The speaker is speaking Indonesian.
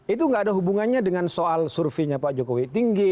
itu gak ada hubungannya dengan soal surveinya pak jokowi tinggi